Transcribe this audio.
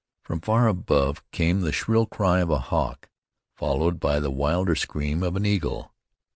From far above came the shrill cry of a hawk, followed by the wilder scream of an eagle.